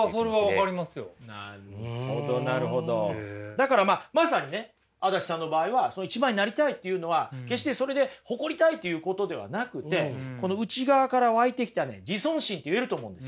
だからまあまさにね足立さんの場合は一番になりたいというのは決してそれで誇りたいということではなくて内側から湧いてきた自尊心と言えると思うんです。